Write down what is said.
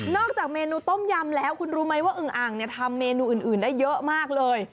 จากเมนูต้มยำแล้วคุณรู้ไหมว่าอึงอ่างทำเมนูอื่นได้เยอะมากเลย